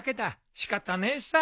仕方ねえさ。